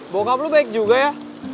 bokap lo baik juga ya